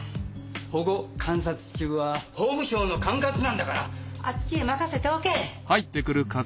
保護観察中は法務省の管轄なんだからあっちへ任せておけ。